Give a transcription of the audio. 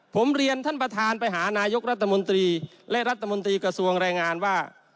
ผมเรียนท่านประธานไปหานายกรัฐมนตรีและรัฐมนตรีกระทรวงแรงงานว่า